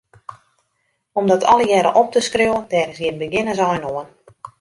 Om dat allegearre op te skriuwen, dêr is gjin begjinnensein oan.